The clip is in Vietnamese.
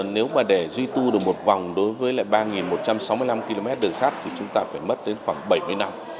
nếu mà để duy tu được một vòng đối với lại ba một trăm sáu mươi năm km đường sắt thì chúng ta phải mất đến khoảng bảy mươi năm